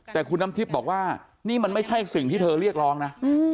แต่คุณน้ำทิพย์บอกว่านี่มันไม่ใช่สิ่งที่เธอเรียกร้องนะ